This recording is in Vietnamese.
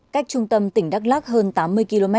cách trung tâm tỉnh đắk lắc hơn tám mươi km